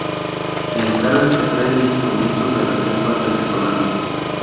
Le encargan que traiga instrumentos de la selva venezolana.